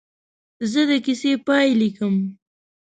زه د کیسې پاې لیکم.